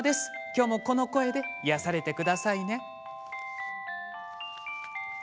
今日も、この声で癒やされてくださいね。